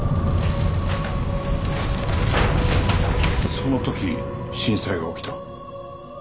その時震災が起きた。